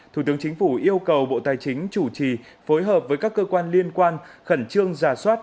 thủ tướng chính phủ yêu cầu bộ tài chính chủ trì phối hợp với các cơ quan liên quan khẩn trương giả soát